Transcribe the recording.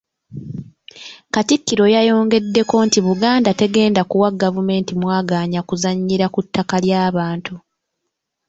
Katikkiro yayongeddeko nti Buganda tegenda kuwa gavumenti mwagaanya kuzannyira ku ttaka ly’abantu.